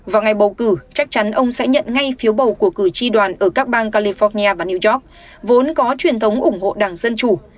vào ngày bầu cử chắc chắn ông sẽ nhận ngay phiếu bầu của cử tri đoàn ở các bang california và new york vốn có truyền thống ủng hộ đảng dân chủ